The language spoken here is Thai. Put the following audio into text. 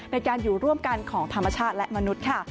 ในการอยู่ร่วมกันของธรรมชาติและมนุษย์ค่ะ